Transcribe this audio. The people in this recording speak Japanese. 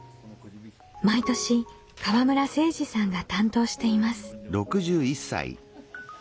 毎年河村政二さんが担当しています。